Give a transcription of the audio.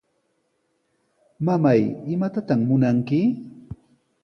Mamay, ¿imatataq munanki?